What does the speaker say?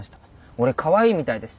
俺カワイイみたいです。